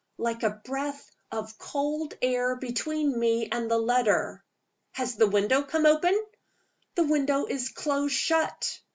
"Like a breath of cold air between me and the letter." "Has the window come open?" "The window is close shut."